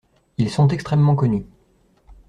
Ils sont extrêmement connus.